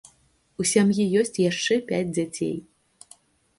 У сям'і ёсць яшчэ пяць дзяцей.